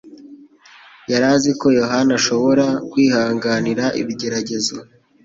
yari azi ko Yohana ashobora kwihanganira ibigeragezo.